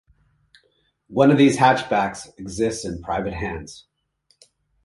One of these hatchbacks exists in private hands.